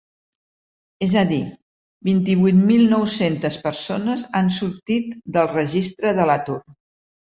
És a dir, vint-i-vuit mil nou-centes persones han sortit del registre de l’atur.